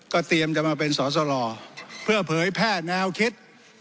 เตรียมจะมาเป็นสอสรเพื่อเผยแพร่แนวคิด